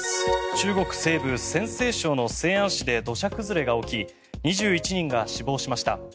中国西部・陝西省の西安市で土砂崩れが起き２１人が死亡しました。